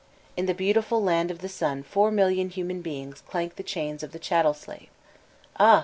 In the beautiful land of the sun four million human beings clank the chains of the chattel slave ! Ah